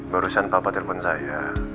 barusan papa telepon saya